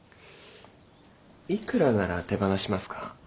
幾らなら手放しますか？